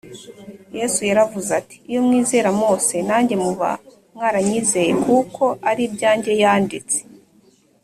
yesu yaravuze ati, “iyo mwizera mose, nanjye muba mwaranyizeye kuko ari ibyanjye yanditse